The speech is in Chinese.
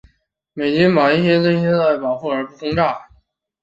美军把一些地区列为受保护地区而不轰炸。